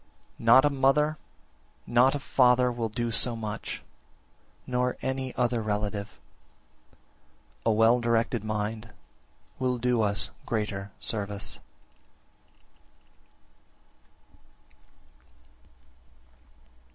43. Not a mother, not a father will do so much, nor any other relative; a well directed mind will do us greater service.